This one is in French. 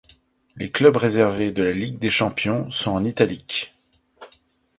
Les clubs reversés de la Ligue des Champions sont en italiques.